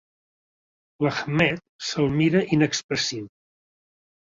L'Ahmed se'l mira inexpressiu.